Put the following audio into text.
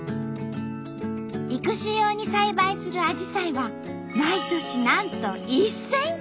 育種用に栽培するアジサイは毎年なんと１，０００株。